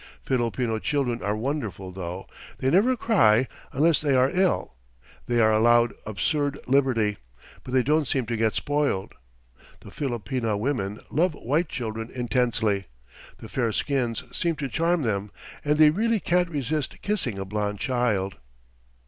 Filipino children are wonderful, though they never cry unless they are ill. They are allowed absurd liberty, but they don't seem to get spoiled. The Filipina women love white children intensely; the fair skins seem to charm them, and they really can't resist kissing a blond child."